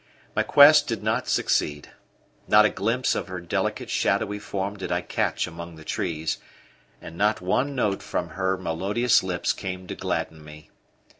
My quest did not succeed: not a glimpse of her delicate shadowy form did I catch among the trees; and not one note from her melodious lips came to gladden me.